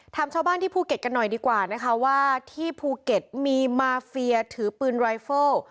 ชาวบ้านที่ภูเก็ตกันหน่อยดีกว่านะคะว่าที่ภูเก็ตมีมาเฟียถือปืนรายเฟิล